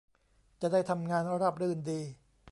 จะได้ทำงานราบรื่นดี